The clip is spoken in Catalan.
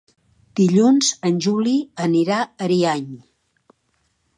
Dilluns en Juli anirà a Ariany.